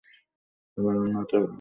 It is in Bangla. রান্নাটা বনি করেছে।